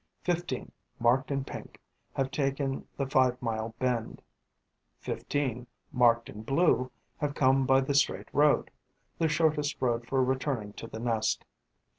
Fifteen, marked in pink, have taken the five mile bend; fifteen, marked in blue, have come by the straight road, the shortest road for returning to the nest.